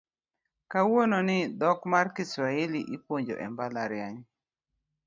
Kawuono ni dhok mar Kiswahili ipuonjo e mbalariany